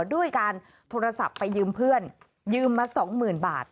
ด้วยการโทรศัพท์ไปยืมเพื่อนยืมมา๒๐๐๐๐บาท